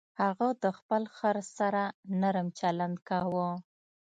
هغه د خپل خر سره نرم چلند کاوه.